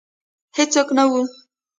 هیڅوک نه وه